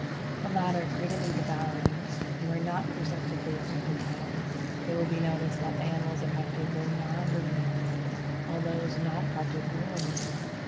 The latter greedily devoured it and were not perceptibly affected by it. It will be noticed that the animals affected were non ruminants, while those not affected were ruminants.